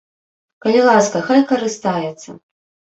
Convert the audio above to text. Калі ласка, хай карыстаецца!